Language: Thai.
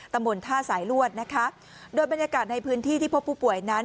ตำบลท่าสายลวดนะคะโดยบรรยากาศในพื้นที่ที่พบผู้ป่วยนั้น